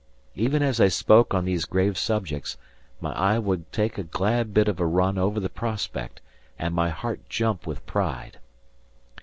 Even as I spoke on these grave subjects, my eye would take a glad bit of a run over the prospect, and my heart jump with pride.